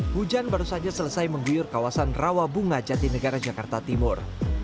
hujan baru saja selesai mengguyur kawasan rawabunga jati negara jakarta timur